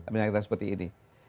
bila kita seperti ini